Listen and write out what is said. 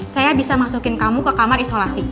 saya bisa masukin kamu ke kamar isolasi